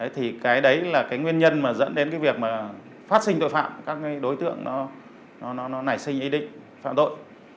thì cái đấy là cái nguyên nhân mà dẫn đến cái việc mà phát sinh tội phạm các đối tượng nó nảy sinh ý định phạm tội